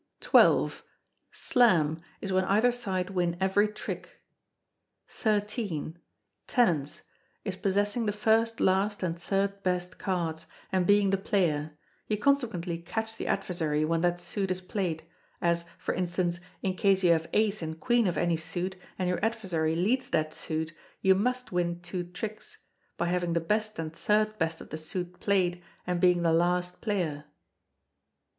xii. Slam, is when either side win every trick. xiii. Tenance, is possessing the first last and third best cards, and being the player; you consequently catch the adversary when that suit is played: as, for instance, in case you have ace and queen of any suit, and your adversary leads that suit, you must win two tricks, by having the best and third best of the suit played, and being the last player.